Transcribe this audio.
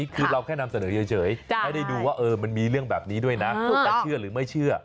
ก็เป็นวิจารณญาส่วนบุคคล